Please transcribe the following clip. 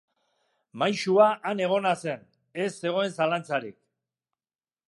Maisua han egona zen, ez zegoen zalantzarik.